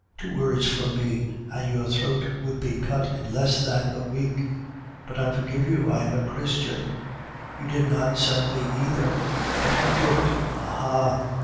Two words from me, and your throat would be cut in less than a week, but I forgive you, I am a Christian. You did not sell me either. But who did? Aha!